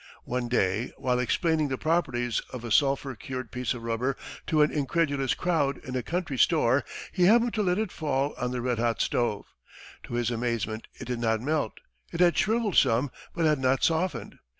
One day, while explaining the properties of a sulphur cured piece of rubber to an incredulous crowd in a country store, he happened to let it fall on the red hot stove. To his amazement it did not melt; it had shrivelled some, but had not softened.